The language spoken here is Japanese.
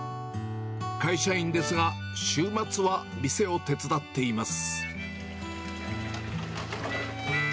会社員ですが、週末は店を手伝っています。